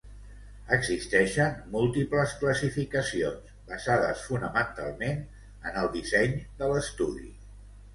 Existeixen múltiples classificacions, basades fonamentalment en el disseny de l’estudi.